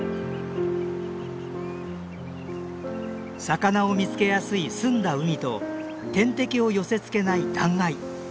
魚を見つけやすい澄んだ海と天敵を寄せつけない断崖。